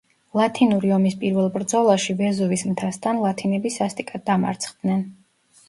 ლათინური ომის პირველ ბრძოლაში ვეზუვის მთასთან ლათინები სასტიკად დამარცხდნენ.